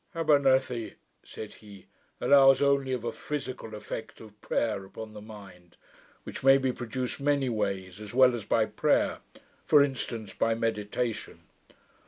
'Abernethy,' said he, 'allows only of a physical effect of prayer upon the mind, which may be produced many ways, as well as by prayer; for instance, by meditation.